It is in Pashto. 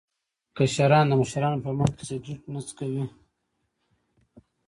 کشران د مشرانو په مخ کې سګرټ نه څکوي.